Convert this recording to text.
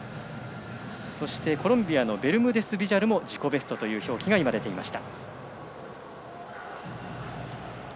そしてコロンビアのベルムデスビジャル選手も自己ベストが今、出ていました。